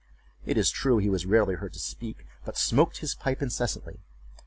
It is true he was rarely heard to speak, but smoked his pipe incessantly.